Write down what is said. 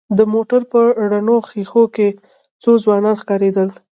د موټر په رڼو ښېښو کې څو ځوانان ښکارېدل.